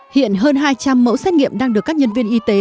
hiện hơn hai trăm linh mẫu xét nghiệm đang được các nhân viên y tế